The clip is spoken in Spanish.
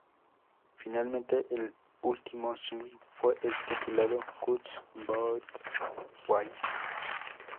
Finalmente, el último single fue el titulado "Cuts Both Ways".